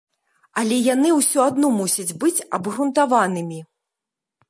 Але яны ўсё адно мусяць быць абгрунтаванымі.